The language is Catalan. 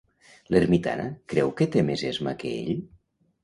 L'ermitana creu que té més esma que ell?